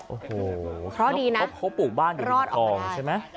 โอ้โหเพราะดีนะเขาปลูกบ้านอยู่ดีออกไปได้ใช่ไหม